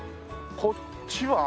こっちは？